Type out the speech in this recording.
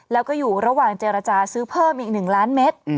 แล้วก็อยู่ระหว่างเจรจาซื้อเพิ่มอีก๑ล้านเมตร